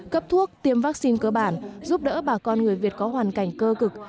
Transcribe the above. cấp thuốc tiêm vaccine cơ bản giúp đỡ bà con người việt có hoàn cảnh cơ cực